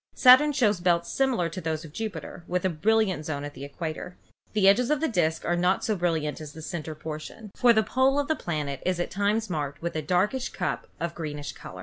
Saturn shows belts similar to those of Jupiter, with a brilliant zone at the equator. The edges of the disk are not so brilliant as the central portion, for the pole of the planet is at times marked with a darkish cup of greenish color.